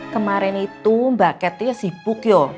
kemarin itu mbak ketia sibuk yo